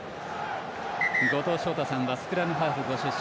後藤翔太さんはスクラムハーフご出身。